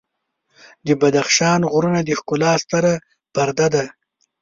د بدخشان غرونه د ښکلا ستره پرده ده.